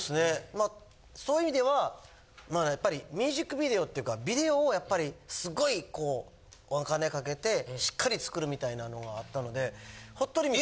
まぁそういう意味ではまあやっぱりミュージックビデオっていうかビデオをやっぱりすごいこうお金かけてしっかり作るみたいなのがあったので『ＨＯＴＬＩＭＩＴ』